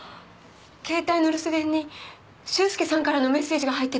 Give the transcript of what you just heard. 携帯の留守電に修介さんからのメッセージが入ってたんです。